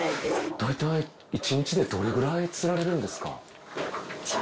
だいたい１日でどれくらい釣られるんですか？